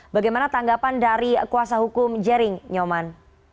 bagaimana tanggapan dari kuasa hukum jering nyoman